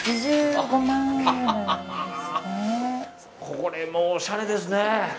これもおしゃれですね。